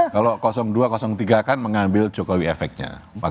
kalau dua tiga kan mengambil jokowi efeknya